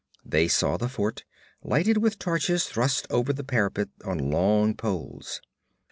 They saw the fort, lighted with torches thrust over the parapets on long poles.